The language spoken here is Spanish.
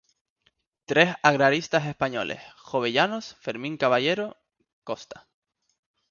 Tres agraristas españoles: Jovellanos, Fermín Caballero, Costa.